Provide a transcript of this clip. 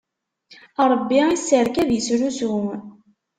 Ṛebbi isserkab isrusu.